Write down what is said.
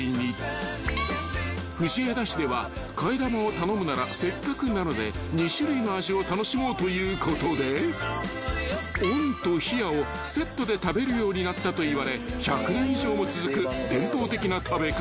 ［藤枝市では替え玉を頼むならせっかくなので２種類の味を楽しもうということで温と冷やをセットで食べるようになったといわれ１００年以上も続く伝統的な食べ方］